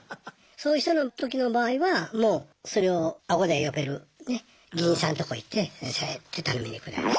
そういう人のときの場合はもうそれを顎で呼べるね議員さんとこ行って「先生」って頼みに行くんだよね。